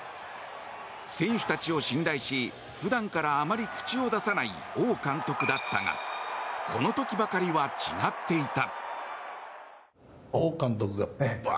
選手たちを信頼し普段からあまり口を出さない王監督だったがこの時ばかりは違っていた。